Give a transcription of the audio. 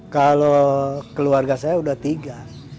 kalau keluarga saya sudah tiga